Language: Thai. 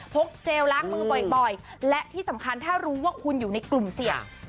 เจลล้างมือบ่อยและที่สำคัญถ้ารู้ว่าคุณอยู่ในกลุ่มเสี่ยง